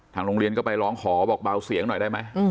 โรงเรียนก็ไปร้องขอบอกเบาเสียงหน่อยได้ไหม